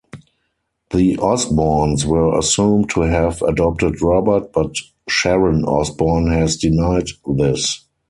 The Osbournes were assumed to have adopted Robert, but Sharon Osbourne has denied this.